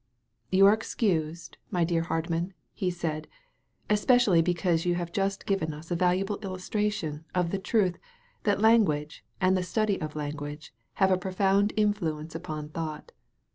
*'You are excused, my dear Hardman," he said, ''especially because you have just given us a valuable illustration of the truth that language and the study of language have a profound influence upon thought.